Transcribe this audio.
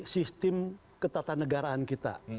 sistem ketatanegaraan kita